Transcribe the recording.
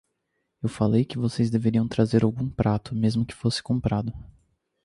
Eu falei que vocês deveriam trazer algum prato, mesmo que fosse comprado.